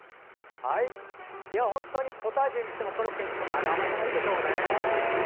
本当にポタージュにしてもコロッケにしてもあの甘さがいいでしょうね。